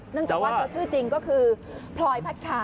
เนื่องจากว่าเธอชื่อจริงก็คือพลอยพักชา